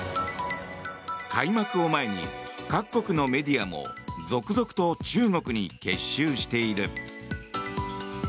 開幕を前に各国のメディアも続々と中国に結集している。